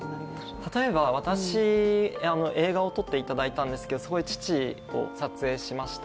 例えば私、映画を撮っていただいたんですけどすごい父を撮影しました。